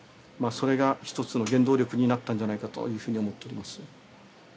それが一つの原動力になったんじゃないかというふうに思っております。